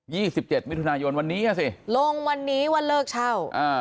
สิบเจ็ดมิถุนายนวันนี้อ่ะสิลงวันนี้วันเลิกเช่าอ่า